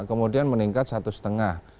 kemudian meningkat satu setengah